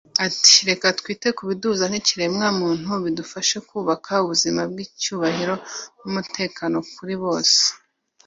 Ati “Reka twite ku biduhuza nk’ikiremwamuntu bidufashe kubaka ubuzima bw’icyubahiro n’umutekano kuri bose